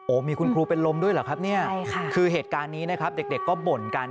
มีคุณครูเป็นลมด้วยเหรอครับเนี่ยคือเหตุการณ์นี้นะครับเด็กก็บ่นกัน